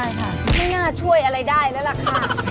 ไม่น่าช่วยอะไรได้แล้วค่ะ